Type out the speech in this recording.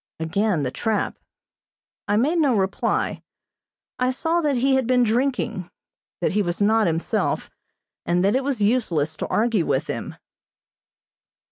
Again the trap. I made no reply. I saw that he had been drinking that he was not himself, and that it was useless to argue with him.